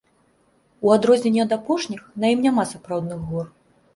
У адрозненні ад апошніх, на ім няма сапраўдных гор.